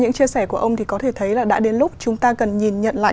những chia sẻ của ông thì có thể thấy là đã đến lúc chúng ta cần nhìn nhận lại